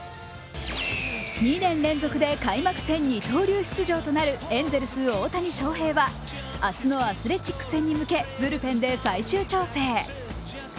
２年連続で開幕戦二刀流出場となるエンゼルス・大谷翔平は明日のアスレチックス戦に向けブルペンで最終調整。